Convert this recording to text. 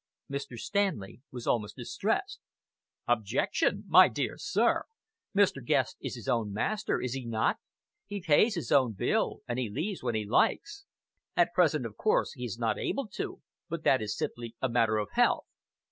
Mr. Stanley was almost distressed. "Objection! My dear sir! Mr. Guest is his own master, is he not? He pays his own bill, and he leaves when he likes. At present, of course, he is not able to, but that is simply a matter of health."